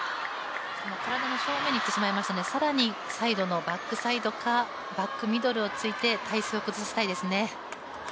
体の正面にいってしまいましたので更にサイドのバックサイドかバックミドルを突いて体勢を崩していきたいですね。